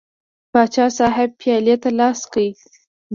پاچا صاحب پیالې ته لاس کړ.